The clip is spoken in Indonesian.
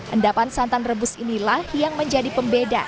endapan santan rebus inilah yang menjadi pembeda